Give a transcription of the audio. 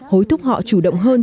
hối thúc họ chủ động hơn